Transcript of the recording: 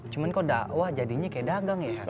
cuman kok dakwah jadinya kayak dagang ya han